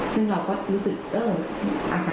ซึ่งเราก็รู้สึกเอ้ออาการ